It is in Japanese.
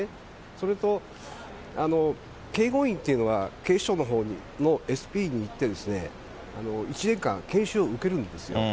それと、警護員というのは警視庁のほうのＳＰにいって、１年間研修を受けるんですよ。